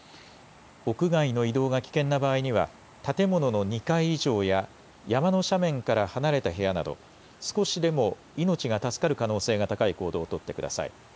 屋外の移動が危険な場合には、建物の２階以上や山の斜面から離れた部屋など、少しでも命が助かる可能性が高い行動を取ってください。